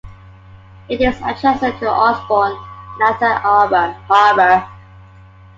It is adjacent to Osborne and Outer Harbor.